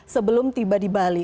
sebelum tiba di bali